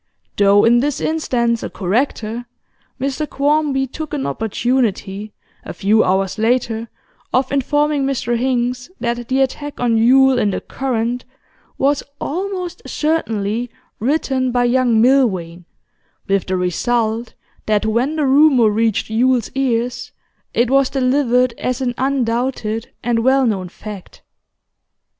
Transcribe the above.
Though in this instance a corrector, Mr Quarmby took an opportunity, a few hours later, of informing Mr Hinks that the attack on Yule in The Current was almost certainly written by young Milvain, with the result that when the rumour reached Yule's ears it was delivered as an undoubted and well known fact.